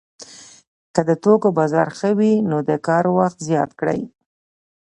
که د توکو بازار ښه وي نو د کار وخت زیات کړي